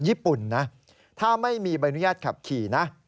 ญี่ปุ่นนะถ้าไม่มีใบอนุญาตขับขี่นะ